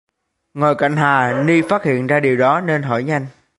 Ngồi cạnh hà ni phát hiện ra điều ấy nên hỏi nhanh